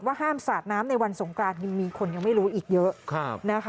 ห้ามสาดน้ำในวันสงกรานยังมีคนยังไม่รู้อีกเยอะนะคะ